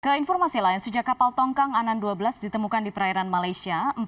ke informasi lain sejak kapal tongkang anan dua belas ditemukan di perairan malaysia